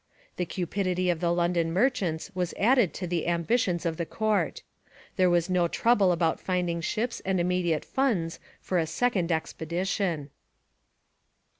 The cupidity of the London merchants was added to the ambitions of the court. There was no trouble about finding ships and immediate funds for a second expedition.